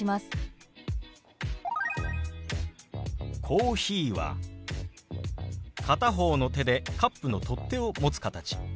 「コーヒー」は片方の手でカップの取っ手を持つ形。